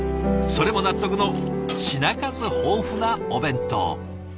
それも納得の品数豊富なお弁当。